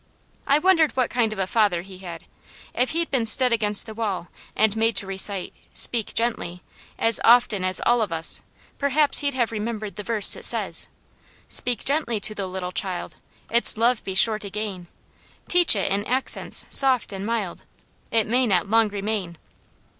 I wondered what kind of a father he had. If he'd been stood against the wall and made to recite, "Speak gently," as often as all of us, perhaps he'd have remembered the verse that says: "Speak gently to the little child; Its love be sure to gain; Teach it in accents soft and mild; It may not long remain."